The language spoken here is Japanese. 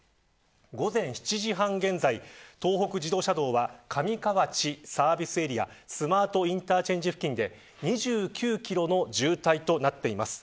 午前７時半現在東北自動車道は上河内サービスエリアスマートインターチェンジ付近で２９キロの渋滞となっています。